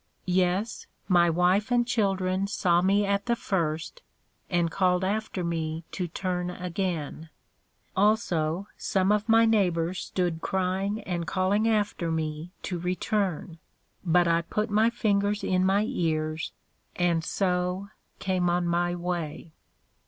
Yes, my Wife and Children saw me at the first, and called after me to turn again; also some of my Neighbors stood crying and calling after me to return; but I put my fingers in my ears, and so came on my way.